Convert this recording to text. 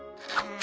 あ。